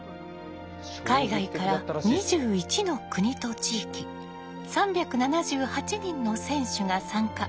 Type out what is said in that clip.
海外から２１の国と地域３７８人の選手が参加。